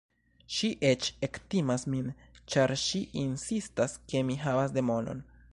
Ŝi eĉ ektimas min, ĉar ŝi insistas ke mi havas demonon.